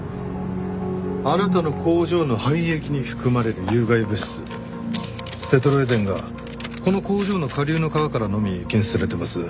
あなたの工場の廃液に含まれる有害物質テトロエデンがこの工場の下流の川からのみ検出されてます。